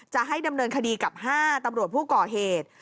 จะให้ดำเนินคดีกับ๕ตำรวจผู้ก่อเหตุ